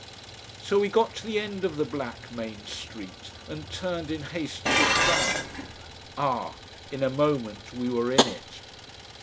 So we got to the end of the black main street, and turned in haste to the sun. Ah in a moment we were in it.